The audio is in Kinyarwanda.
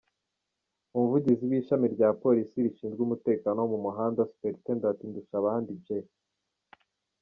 Umuvugizi w’ishami rya polisi rishinzwe umutekano wo mu muhanda, Supt Ndushabandi J.